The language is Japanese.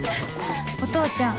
お父ちゃん